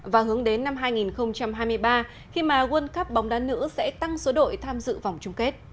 và hướng đến năm hai nghìn hai mươi ba khi mà world cup bóng đá nữ sẽ tăng số đội tham dự vòng chung kết